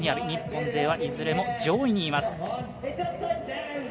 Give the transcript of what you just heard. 日本勢はいずれも上位にいます。